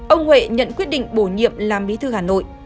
ông huệ nhận quyết định bổ nhiệm làm bí thư hà nội